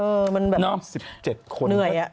เออมันแบบน่ะสิบเจ็ดคนเนอะเหนื่อยอะ